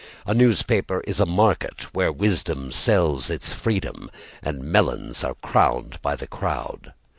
A newspaper is a market Where wisdom sells its freedom And melons are crowned by the crowd.